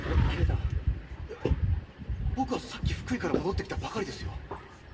いや僕はさっき福井から戻ってきたばかりですよ。